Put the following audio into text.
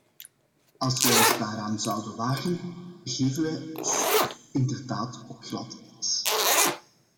Als wij ons daaraan zouden wagen, begeven wij ons inderdaad op glad ijs.